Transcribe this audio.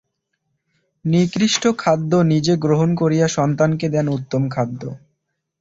নিকৃষ্ট খাদ্য নিজে গ্রহণ করিয়া সন্তানকে দেন উত্তম খাদ্য।